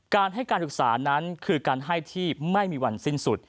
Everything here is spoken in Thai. การให้การศึกษานั้นคือการให้ที่ไม่มีวันสิ้นสุด